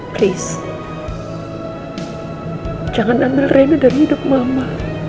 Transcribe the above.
tolong jangan ambil reyna dari hidup mama